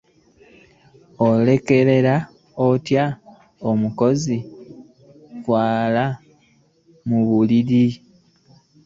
Olekera otya omukozi okwala obuliri?